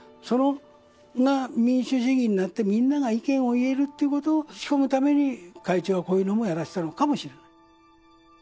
それが民主主義になってみんなが意見を言えるっていうことを仕込むために会長はこういうのもやらせたのかもしれない。